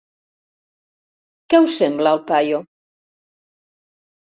Què us sembla, el paio?